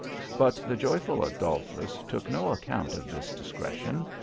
But the joyful Adolphus took no account of this discretion.